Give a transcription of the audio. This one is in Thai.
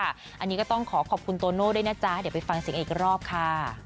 อันนี้ก็ต้องขอขอบคุณโตโน่ด้วยนะจ๊ะเดี๋ยวไปฟังเสียงอีกรอบค่ะ